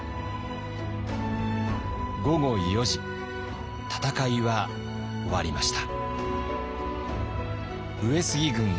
午後４時戦いは終わりました。